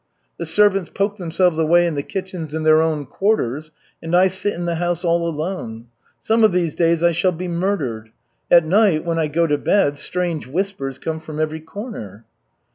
The servants poke themselves away in the kitchens and their own quarters, and I sit in the house all alone. Some of these days I shall be murdered. At night, when I go to bed, strange whispers come from every corner."